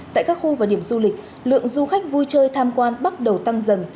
tại các khu và điểm du lịch lượng du khách vui chơi tham quan bắt đầu tăng dần